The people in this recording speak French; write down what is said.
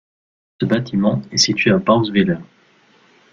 Ce bâtiment est situé à Bouxwiller.